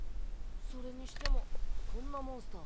それにしてもこんなモンスター